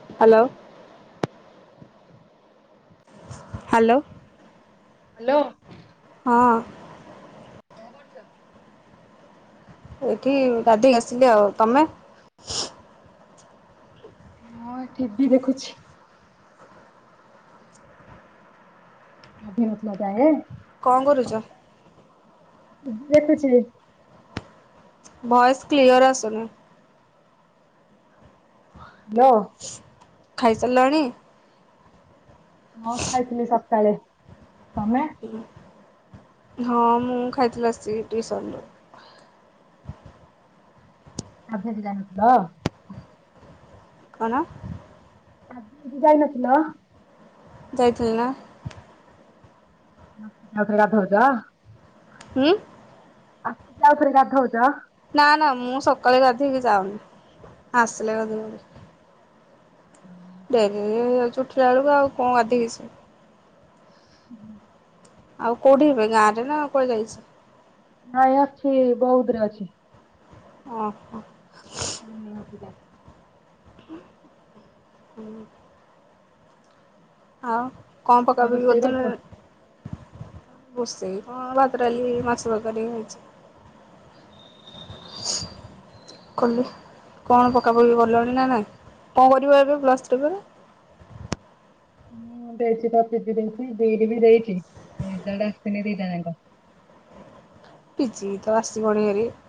[inaudible] [inaudible] [inaudible] [inaudible] [inaudible] [inaudible] [inaudible] [inaudible] [inaudible] [inaudible] [inaudible] [inaudible] [inaudible] [inaudible] [inaudible] [inaudible] [inaudible] [inaudible] [inaudible] [inaudible] [inaudible] [inaudible] [inaudible] [inaudible] [inaudible] [inaudible] [inaudible] [inaudible] [inaudible] [inaudible] [inaudible] କଣ ରୋଷେଇ କରିଛ? [inaudible] [inaudible] [inaudible] [inaudible] [inaudible] [inaudible]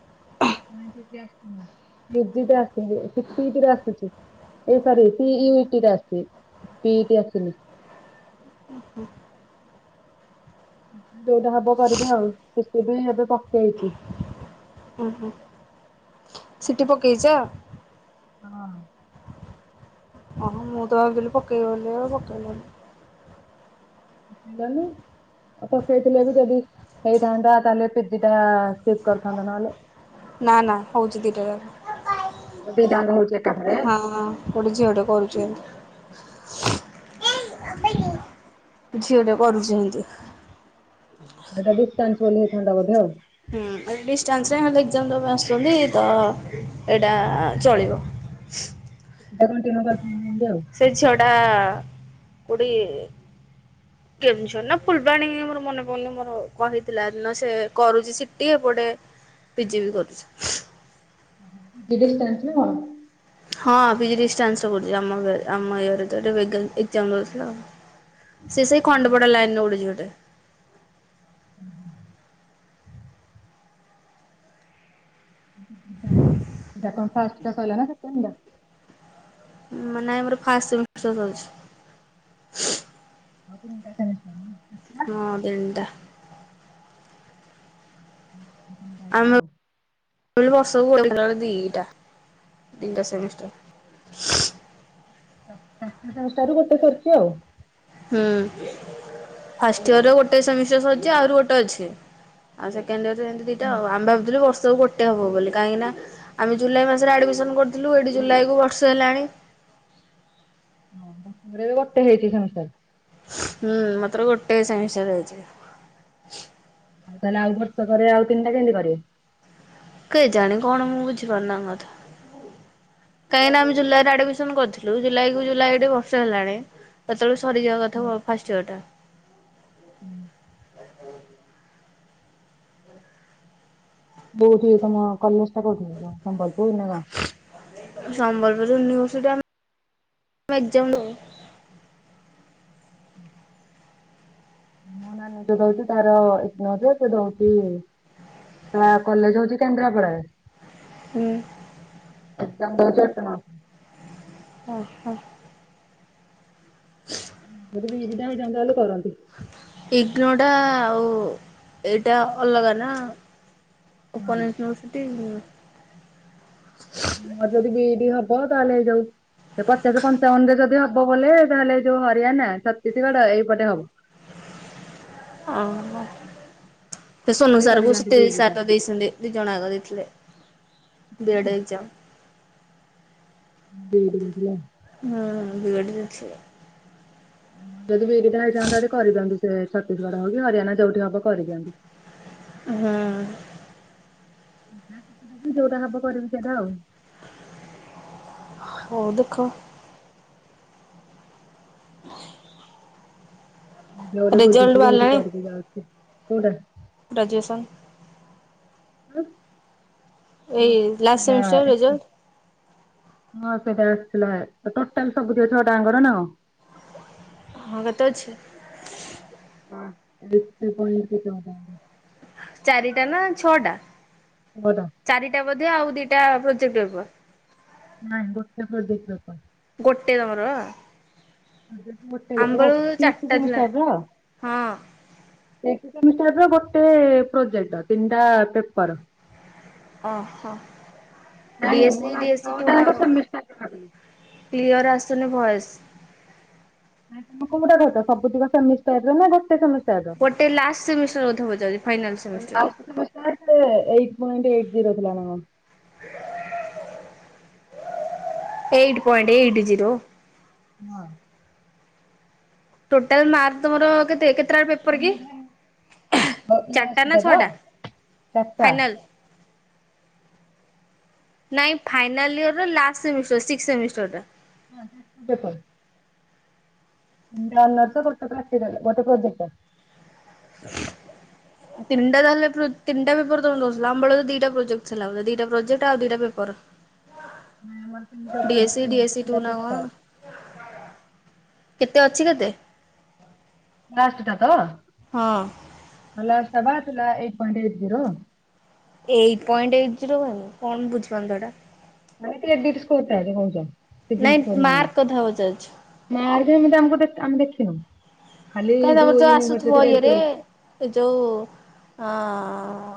[inaudible] [inaudible] [inaudible] [inaudible] [inaudible] ଉଁ, ହୁଁ। ସିଟି ପକେଇଚ? ହଁ। ହଁ, ମୁଁ ତ ଭାବିଥିଲି ପକେୟ ବଲି ଆଉ ପକେଇଲାନି। ଦନୁ ଅ ପକେଇ ଥିଲେ ବି ଯଦି ହେଇଥାନ୍ତା, ତାହେଲେ ପିଜି ଟା ସ୍କିପ୍ କରିଥାନ୍ତ ନହେଲେ। ନା, ନା, ହଉଚି ଦିଟା ଯାକ। ଦିଇଟା ଆଙ୍କ ହଉଚି ଏକା ଥରେ। ହଁ ଗୋଟେ ଝିଅ ଟେ କରୁଚି ଏଁତି। ଝିଅ ଟେ କରୁଚି ହିଁତି। ଏଟା ଡିଷ୍ଟାନ୍ସ ବୋଲି ହେଇଥାନ୍ତା ବଧେ ଆଉ। ଏ ଡିଷ୍ଟାନ୍ସରେ ହେଲେ ଏକ୍ଜାମ୍ ଦବା ପାଇଁ ଆସୁଛନ୍ତି ତ ଏଇଟା ଚଳିବ। [unintelligible] ସେମତି ଆଉ। ସେ ଝିଅଡା ଗୋଡି କେଉଁଝର ନା ଫୁଲବାଣୀ ମୋର ମନେ ପଡୁନି, ମୋର କହିଥିଲା, ଦିନ ସେ କରୁଛି ସିଟିି ଏପଟେ ପିଜିି ବି କରୁଚି। ପିଜୁଳି ଚାଁଞ୍ଚ। ହଁ, ପିଜି ଡିଷ୍ଟାନ୍ସରେ କରୁଚି। ଆମ ଗେ ଆମ ଇଏରେ ତ ଏଠେ ଗେ ଏକ୍ଜାମ୍ ଦଉଥିଲା ଆଉ। ସେ ସେଇ ଖଣ୍ଡ ପଡା ଲାଇନ୍ ର ଗୋଟେ ଝିଅ ଟେ। ଏଇଟା କଣ ଫାଷ୍ଟ୍ ଟା ସଇଲା ନା, ସେକେଣ୍ଡ ଟା? ମାନେ, ମୋର ଫାଷ୍ଟ ସେମିଷ୍ଟାର ସରିଛି। [inaudible] ହଁ ତିନଟା। ତିନିଟା ଅଛି ଆମେ ଆଉ। କହିଲୁ, ବର୍ଷ କୁ [unintelligible] ଦିଟା ତିନଟା ସେମିଷ୍ଟାର। ପାଞ୍ଚ ଟାରୁ ଗୋଟେ ସରିଛି ଆଉ। ହୁଁ, ଫାଷ୍ଟ୍ ଇୟର ର ଗୋଟେ ସେମିଷ୍ଟାର ସରିଚି। ଆହୁରି ଗୋଟେ ଅଛି। ଆଉ ସେକେଣ୍ଡ ଇୟର ଏମିଦି ଦିଟା ଆଉ। ଆମେ ଭାବୁଥିଲୁ ବର୍ଷକୁ ଗୋଟେ ହବ ବୋଲି, କାହିଁକି ନା ଆମେ ଜୁଲାଇ ମାସରେ ଆଡ୍ ମିସନ୍ କରିଥିଲୁ ଏଇଠି ଜୁଲାଇ କୁ ବର୍ଷେ ହେଲାଣି। ସମସ୍ତଙ୍କର ବି ଗୋଟେ ହେଇଚି ସେମିଷ୍ଟାର। ହୁଁ, ମାତ୍ର ଗୋଟେ ସେମିଷ୍ଟାର ହେଇଚି। ଆଉ, ତାହେଲେ ଆଉ ବର୍ଷ କରେ ଆଉ ତିନିଟା କେମିତି କରିବ? କେ ଜାଣି କଣ, ମୁଁ ବୁଝିପାରୁନି ତାଙ୍କ କଥା। କାହିଁକିନା ଆମେ ଜୁଲାଇ ରେ ଆଡ୍ ମିସନ୍ କରିଥିଲୁ ଜୁଲାଇ କୁ ଜୁଲାଇ ଏଢ଼ି ବର୍ଷେ ହେଲାଣି। ଏତଅଳୁ ସରିଯିବା କଥା ଫା-ଫାଷ୍ଟ ଇୟର ଟା। କୋଉଠିକି ତମ କଲେଜ ଟା କଉଠି ହେଇଯିବ, ସମ୍ବଲପୁର ନା କଣ? ସମ୍ବଲପୁର ୟୁନିଭର୍ସିଟି ଆମେ ଏକ୍ଜାମ ଦଉ। ମୋ ନାନୀ ତ ଦଉଛି ତାର, ଏ ଇଗ୍ନୌ ରେ ସେ ଦଉଛି-ଇ ତା କଲେଜ ହଉଛି କେନ୍ଦ୍ରାପଡାରେ। ହୁଁ। ଏକ୍ଜାମ ଦଉଛି, ଅଟୋନମସ୍ ରେ। ଅ ହ! ମୋର ବି [unintelligible] ହେଇଯାଆନ୍ତା ହେଲେ କରନ୍ତି। ଇଗ୍ନୋ ଟା ଆଉ ଏଇଟା ଅଲଗା ନା! ହଁ ଉପନ ୟୁନିଭର୍ସିଟି-ଇଁ ମୋର ଯଦି ବିଇଡି ହବ ତାଲେ ଏଯଉ ପଚାଶ ପଞ୍ଚାବନରେ ଯଦି ହବ ବୋଲେ ତାହେଲେ ଏଇ ଯୋଉ ହରିଆଣା ଛତିଶଗଡ ଏଇପଟ ହବ। ଅ ହ। ସେ ସୋନୁ ଯଦି ସାର୍ କ କରିଦିଅନ୍ତି ସେ ବିଇଡି ଟା ସାଟ ଦେଇଛନ୍ତି ଦି ଜଣ ଆଗ ଦେଇଥିଲେ B Ed exam. BEd exam. ହଁ ବିଇଡି ଦେଇଥିଲେ। ହଁ ଯଦି ବିଇଡି ହେଇଥାନ୍ତା ଯଦି କରିଦିଅନ୍ତି ସେ ଛତିଶଗଡ ହଉ କି ହରିଆଣା ଯଉଠି ହବ କରିଦିଅନ୍ତି। ହଁ। ଯୋଉଟା ହବ କରିବି ସେଇଟା ଆଉ। ହଉ ଦେଖ। [unintelligible] ରେଜଲ୍ଟ ବାହାରିଲାଣି ଯାଉଛି। କୋଉଟା? ଗ୍ରାଜୁଏସନ୍। ଏଇ ଲାଷ୍ଟ ଥିଲା ସେମିଷ୍ଟର ଏଠି ରେଜଲ୍ଟ? ହଁ ସେଇଟା ଆସିଥିଲା ଟୋଟାଲ ସବୁ ଦି ଛଅଟାଙ୍କର ନା କଣ? ହଁ କେତେ ଅଛି? [unintelligible] ଚାରିଟା ନା ଛଅଟା? ଛଅ ଟା। ଚାରିଟା ବୋଧେ ଆଉ ଦିଟା ପ୍ରୋଜେକ୍ଟ ପେପର୍। ନାଇଁ ଗୋଟେ ପ୍ରୋଜେକ୍ଟ ପେପର୍। ଗୋଟେ ତମର? [unintelligible] ଓ ଆମ୍ବବେଳୁ ସିକ୍ସ ଚାରିଟା ଥିଲା ସେମିଷ୍ଟର ର? ହଁ ମି ର ଗୋଟେ ପ୍ରୋଜେକ୍ଟ ତିନିଟା ପେପର। ଓହୋ। ନାଇଁ ମୁଁ ଡିଏସି ଡିଏସି ଛଅ ଟା ସେମିଷ୍ଟର କଥା କହିଲି। କ୍ଲିଅର ଆସୁନି ଭଏସ୍। ନାଇଁ ତମ କୋଉଟା ସବୁ ସେମିଷ୍ଟାର ନା ଗୋଟେ ସେମିଷ୍ଟର ଗୋଟେ ଲାଷ୍ଟ ସେମିଷ୍ଟର କଥା ପଚାରୁଛି final semester. [unintelligible] Eight point eight zero ଥିଲା ନା କଣ।? ଏଇଟି ପଏଣ୍ଟ ଏଇଟ୍ ଜିରୋ? ହଁ। ଟୋଟାଲ ମାର୍କ ତମର କେତେ? କେତେ ଟା ପେପ୍ ପେପର କି ଏମିତି ଲାଷ୍ଟ ଚାରଟା ନାଁ ତ ଛ ଟା ଚାରିଟା ଫାଇନାଲ? ନାଇଁ ଫାଇନାଲ୍ ଇୟର ର ଲାଷ୍ଟ ସେମିଷ୍ଟର ସିକ୍ସ ସେମିଷ୍ଟର ଟା। [unintelligible] [unintelligible] ଗୋଟେ ପ୍ରାକ୍ଟିକାଲ ପ୍ରୋଜେକ୍ଟ। ତିନଟା ତା ହେଲେ ତିନଟାପେପର ତମେ ଦସିଲ ଆମ ବେଳେ ଦିଟା ପ୍ରୋେକ୍ଟ ଦିଟା ପ୍ରୋଜେଟ ଆଉ ଦିଟା ପେପର ପର ନାଇଁ ଆମର ତିନିଟା ପେ ଡିଏସି ଟୁ ତିନିଟା ନା କଣ ପେପର। କେତେ ଅଛି କେତେ? ଲାଷ୍ଟ ଟା ତ? ହଁ। ହେଲ ସବା ତଥିଲା eight point eight zero. Eight point eight zero one କଣ ବୁଝିପାରୁନି ତ ଏଟା। ନାଇଁ ମାର୍କ କଥା ପଚାରୁଛି [unintelligible] [unintelligible] ଆମେ ଦେଖିନୁ। ଖାଲି କାହିଁ ତମର ଯୋଉ ତ ୟୁନିଭର୍ସିଟି ଆସୁଥିବ ରେଜଲ୍ଟ ଇଏରେ ସେ ଯୋଉ ଅଁ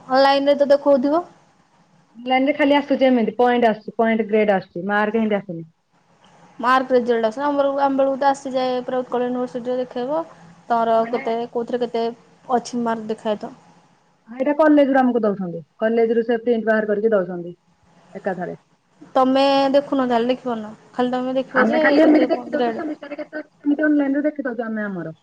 ହନଲାଇନରେ ତ ଦେଖଉଥିବ। ଅନଲାଇନ୍ ରେ ଖାଲି ଆସୁଛି ଏମିତି ପଏଣ୍ ଆସୁଚି ପଏଣ୍ଟ ଗ୍ରେଟ୍ ଆସୁଚି ମାର୍କ ଏମତି ଆସୁନି। ମାର୍କ ରେଜଲ୍ଟ ଆସ ଆମରଲୁ ଆମେଳକୁ ତ ଆସିଯାଏ ପ୍ର ଉତ୍କଳ ୟୁନିଭର୍ସିଟିରେ ଦେଖେଇବ। ତର ମାନେ କେତେ କୋଉଥିରେ କେତେ ଅଛି ମାର୍କ ଦେଖାଏ ତ। ଏଇଟା କଲେଜ ରୁ ଆମକୁ ଦଉଛନ୍ତି କଲେଜ ରୁ ସେ ପ୍ରିଣ୍ଟ ବାହାର କରିକି ଦଉଛନ୍ତି ଏକାଥରେ। ତମେ ଦେଖୁନ ତାହେଲେ ଦେଖିପାରୁନ ଖାଲି ତମେ ଦେଖିବ ଆମେ ଯେ ଖାଲି ଏମିତି କେତେ ବ ଦେଖି ଗ୍ରେଡ଼। [unintelligible] ଏମିତି ଅନଲାଇନି ରେ ଦେଖିଦୋଉଚୂ ଆମେ ଆମର।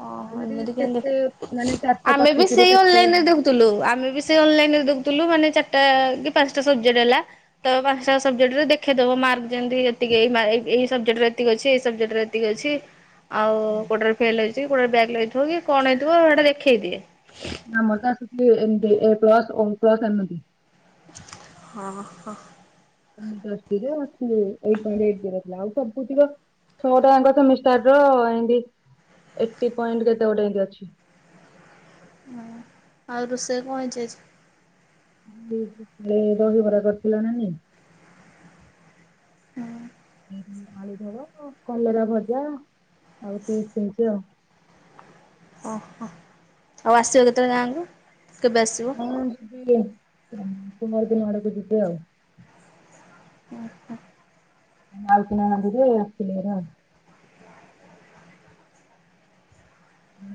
ଓହ ଏମିତି କେତେ ମାନେ କେମତି ଚାରିଶହ ଆମେ ବି ପଚିଶ ରୁ ସେଇ କେତେ ଅନଲାଇନରେ ଦେଖୁ ଥୁଲୁ ଆମେ ବି ସେଇ ଅନଲାଇନି ରେ ଦେଖୁଥିଲୁ ମାନେ ଚାରିଟା କି ପାଞ୍ଚଟା ସବଜେକ୍ଟ ହେଲା। ତ ପାଂସାଟା ସବଜେକ୍ଟରେ ଦେଖେଦଉ ମାର୍କ ଯେମିତି ଏତିକି ଏଇ ମା ଏଇ ଏଇ ସବଜେକ୍ଟ ରେ ଏତିକ ଅଛି ଏଇ ସବଜେକ୍ଟରେ ଏ ଏତିକି ଅଛି ଆଉ କୋଟାରେ ଫେଲ ହେଇଛି କୋଉଟାରେ ବ୍ୟାଗ୍ ଲାଗେଥିବ କି କଣ ହେଇଥିବ ଏଇଟା ଦେଖେଇ ଦିଏ। ଆମର ତ ଆସୁଛି ଏମ ଏ ପ୍ଲସ ଓ ମ୍ ପ୍ଲସ ଏମତି ହଁ ହ। [unintelligible] ଛଅଟାଙ୍କ ସେମିଷ୍ଟାର ର ଏମତି ଏଇଟି ପଏଣ୍ଟ କେତେ ଗୋଟେ ଏମତି ଅଛି। ହଁ ଆଉ ରୋଷେଇ କଣ ହେଇଛି ଆଜି। କି କି ଏ ଦହିିବରା କରିଥିଲା ନାନି। [inaudible] ଆଳୁ ଝୋଳ କଲରା ଭଜା ଆଉ ସେ ସେସ୍ ଆଉ। ଓହୋ ଆଉ ଆସିବ କେତେବେଳେ ଗାଁ କୁ କେବେ ଆସିବ? ହଁ ଯିବି କୁମାର ପୁର୍ଣିମା ଆଡ଼କୁ ଯିବି ଆଉ। ଉଁ ହୁଁ। [unintelligible]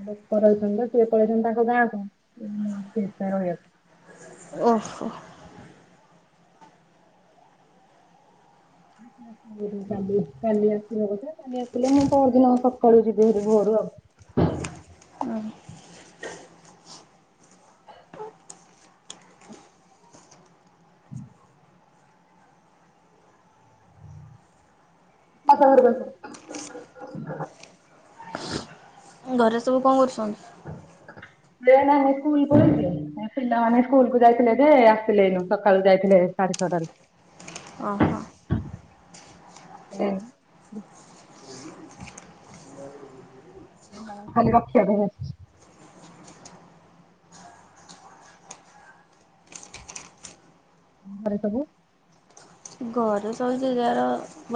ଲୋକ ରହିଛନ୍ତି ତ ସିଏ ପଳେଇଛନ୍ତି ତାଙ୍କ ଗାଁକୁ ମୁଁ ଏଠି ଏକା ରହିଅଛି। ଓ ହୋ। [inaudible] କାଲି କାଲି ଆସିବ ବୋଧେ? କାଲି ଆସିଲେ ମୁଁ ପଅରଦିନ ସକାଳୁ ଯିବି ହେରି ଭୋରୁ ଆଉ। [inaudible] [inaudible] ଘରକୁ ଆସ। ଘରେ ସବୁ କଣ କରୁଛନ୍ତି? ପିଲା ମାନେ ସ୍କୁଲ୍ ପଳେଇଥିଲେ ପିଲାମାନେ ସ୍କୁଲ କୁ ଯାଇଥିଲେ ଯେ ଆସିଲେ ଏଇନୁ ସକାଳୁ ଯାଇଥିଲେ ଏ ସାଢେ ଛଅଟାରୁ। ଓ ହୋ। [inaudible] [inaudible] ଖାଲି ରଖିବା ପାଇଁକା। ଘରେ ସବୁ ଘରେ ସହୁୁ ଯିଏ ଯାର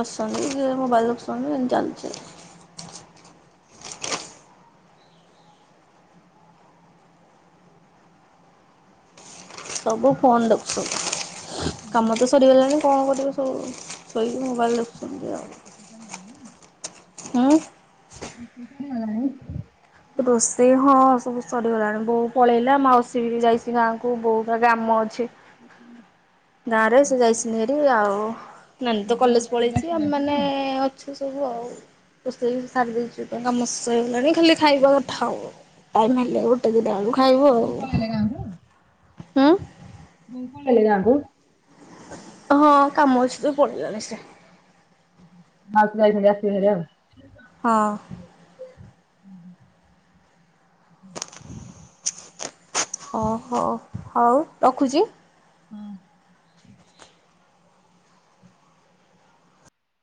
ବସିସନ୍ତି କିଏ ମୋବାଇଲ୍ ଦେଖୁସନ୍ତି ଏମିତି ଚାଲିଛି। ସବୁ ଫୋନ୍ ଦେଖୁଚନ୍ତୀ କାମ ତ ସରିଗଲାଣି। କଣ କରିବେ ସବୁ ସୋଇକି ମୋବାଇଲ୍ ଦେଖୁଚନ୍ତି ଆଉ। [unintelligible] ହୁଁ। [unintelligible] ରୋଷେଇ ହଁ ସବୁ ସରିଗଲାଣି ବୋଉ ପଳେଇଲା ମାଉସୀ ବି ଯାଇଚି ଗାଁକୁ ବୋଉ ଗା କାମ ଅଛି। [inaudible] ଗାଁ ରେ ସେ ଯାଇଚନ୍ତି ହାରି ଆଉ ନାନୀ ତ କଲେଜ ପଳେଇଛି ଆମେ ମାନେ ଅ ଅଛୁ ସବୁ ଆଉ। ରୋଷେଇ ସାରି ଦେଇଚି ତ କାମ ସଇଲାଣି ଖାଲି ଖାଇବା କଥା ଆଉ, ଆଉ ନ ହେଲେ ଆଉ ଦି ଟାଳୁ ଖାଇବୁ ଆଉ। ହୁଁ। ବୋଉ ପଳେଇଲେ ଗାଁ କୁ। ହଁ କାମ ଅଛି ତ ପଳେଇଗଲେ ସେ। ମାଉସୀ ଯାଇଚନ୍ତି ଆସିବେ ହାରି ଆଉ। ହଁ। ଓ ହୋ ହଉ ରଖୁଚି। ହଁ।